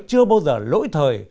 chưa bao giờ lỗi thời